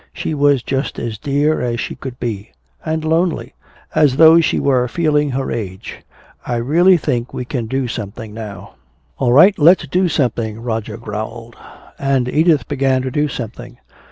She was just as dear as she could be and lonely, as though she were feeling her age. I really think we can do something now." "All right, let's do something," Roger growled. And Edith began to do something.